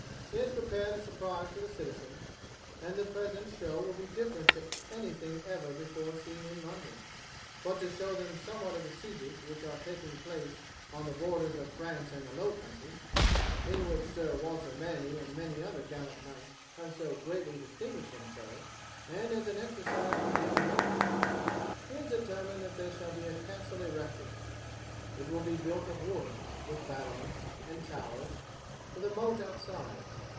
He has prepared a surprise for the citizens, and the present show will be different to anything ever before seen in London. Both to show them somewhat of the sieges which are taking place on the borders of France and the Low Countries, in which Sir Walter Manny and many other gallant knights have so greatly distinguished themselves, and as an exercise for the young nobles, he has determined that there shall be a castle erected. It will be built of wood, with battlements and towers, with a moat outside.